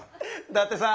だってさ。